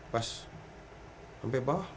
pas sampai bawah